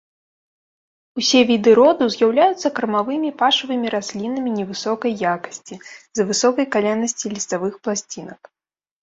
Усе віды роду з'яўляюцца кармавымі пашавымі раслінамі невысокай якасці, з-за высокай калянасці ліставых пласцінак.